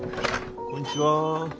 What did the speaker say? こんにちは。